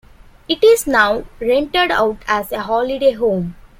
It is now rented out as a holiday home.